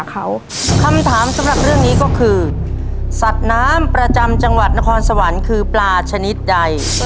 คำถามสำหรับเรื่องนี้ก็คือสัตว์น้ำประจำจังหวัดนครสวรรค์คือปลาชนิดใด